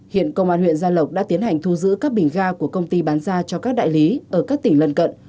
hiện công an huyện gia lộc đã tiến hành thu giữ các bình ga của công ty bán ra cho các đại lý ở các tỉnh lân cận